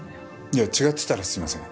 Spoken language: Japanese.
いや違ってたらすいません。